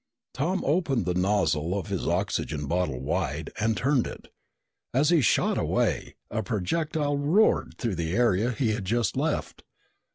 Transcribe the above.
Tom opened the nozzle of his oxygen bottle wide and turned it. As he shot away, a projectile roared through the area he had just left.